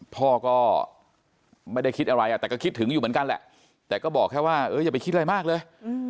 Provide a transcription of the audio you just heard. พ่อก็ไม่ได้คิดอะไรแต่ก็คิดถึงอยู่เหมือนกันแหละแต่ก็บอกแค่ว่าอย่าไปคิดอะไรมากเลย